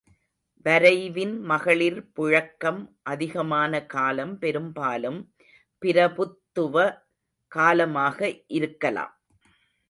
வரைவின் மகளிர் புழக்கம் அதிகமான காலம் பெரும்பாலும் பிரபுத்துவ காலமாக இருக்கலாம்.